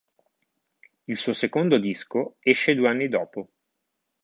Il suo secondo disco esce due anni dopo.